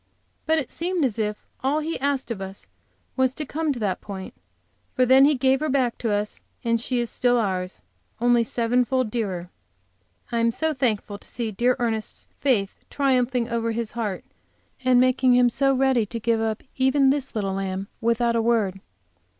But it seemed as if all He asked of us was to come to that point, for then He gave her back to us, and she is still ours, only seven fold dearer. I was so thankful to see dear Ernest's faith triumphing over his heart, and making him so ready to give up even this little lamb without a word.